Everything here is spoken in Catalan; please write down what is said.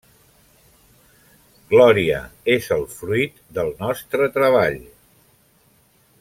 Glòria, és el fruit del nostre treball!